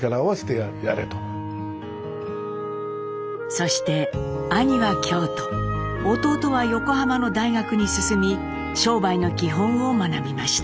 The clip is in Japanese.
そして兄は京都弟は横浜の大学に進み商売の基本を学びました。